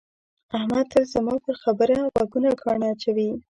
احمد تل زما پر خبره غوږونه ګاڼه اچوي.